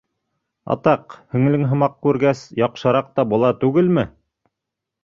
-Атаҡ, һеңлең һымаҡ күргәс, яҡшыраҡ та була түгелме?